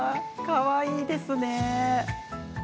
かわいいですね。